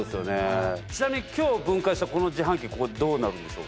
ちなみに今日分解したこの自販機どうなるんでしょう？